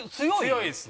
強いですね。